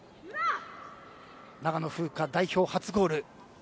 長野風花、代表初ゴール。